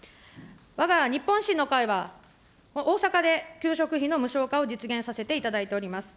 わが日本維新の会は、大阪で給食費の無償化を実現させていただいております。